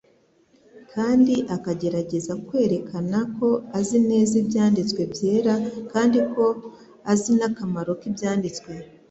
kandi akagerageza kwerekana ko azi neza ibyanditswe byera, kandi ko azi n'akamaro k'ibyanditswe.